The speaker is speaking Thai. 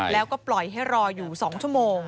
แล้วก็ปล่อยให้รออยู่๒ชั่วโมง